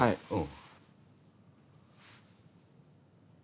うん。